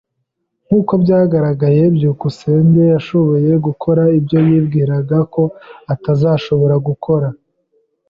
Nkuko byagaragaye, byukusenge yashoboye gukora ibyo yibwiraga ko atazashobora gukora.